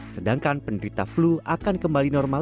sedangkan penderita flu akan kembali normal